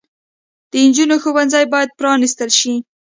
د انجونو ښوونځي بايد پرانستل شي